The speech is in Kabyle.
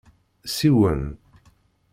Siwen.